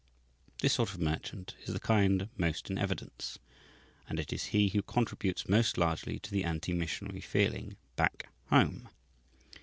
This sort of merchant is the kind most in evidence, and it is he who contributes most largely to the anti missionary feeling "back home."